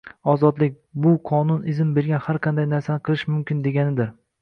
Ozodlik, bu qonun izn bergan har qanday narsani qilish mumkin, deganidir.